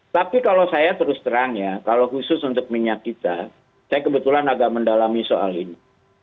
tapi kalau saya terus terang ya kalau khusus untuk minyak kita saya kebetulan agak mendalami soal ini